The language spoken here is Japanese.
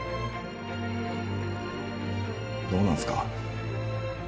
どうなんすか？